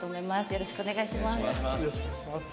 よろしくお願いします。